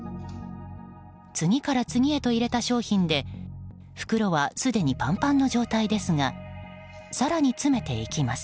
次から次へと入れた商品で袋はすでにパンパンの状態ですが更に詰めていきます。